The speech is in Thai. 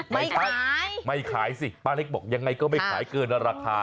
ไม่ใช่ไม่ขายสิป้าเล็กบอกยังไงก็ไม่ขายเกินราคา